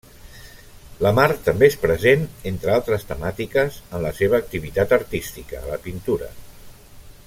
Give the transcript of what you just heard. La mar també és present, entre altres temàtiques, en la seva activitat artística: la pintura.